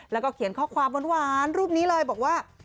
แล้วก็เขียนข้อความหวานรูปนี้เลยบอกว่า